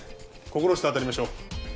心して当たりましょう。